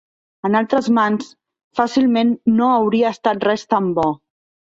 En altres mans, fàcilment no hauria estat res tan bo.